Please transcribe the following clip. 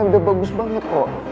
udah bagus banget kok